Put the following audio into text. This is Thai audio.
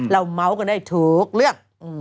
เราเม้ากันได้ทุกเรื่อง